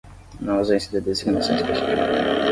na ausência de designação específica.